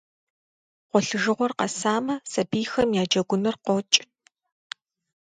Гъуэлъыжыгъуэр къэсамэ, сабийхэм я джэгуныр къокӏ.